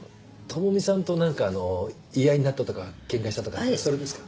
知美さんと何かあのう言い合いになったとかケンカしたとかそれですか？